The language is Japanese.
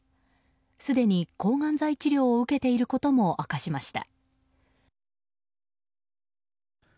すでに、抗がん剤治療を受けていることも明かしました。